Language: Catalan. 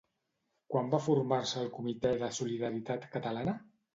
Quan va formar-se el Comitè de Solidaritat Catalana?